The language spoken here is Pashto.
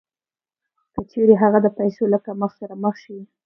که چېرې هغه د پیسو له کمښت سره مخ شي